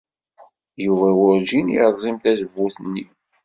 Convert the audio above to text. Yuba werǧin yerẓim tazewwut-nni.